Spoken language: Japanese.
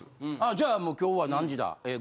じゃあ今日は何時だ？